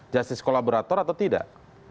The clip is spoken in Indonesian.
jasus kolaborator atau tidak